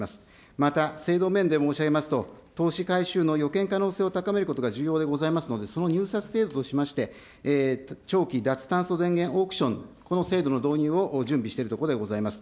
また制度面で申し上げますと、投資回収の予見可能性を高めることが重要でございますので、その入札制度といたしまして、長期脱炭素電源オークション、この制度の導入を準備しているところでございます。